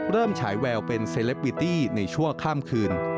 ฉายแววเป็นเซลปิตี้ในชั่วข้ามคืน